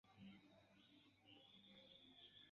Li signis siajn artikolojn per: "A R".